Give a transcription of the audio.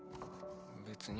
別に。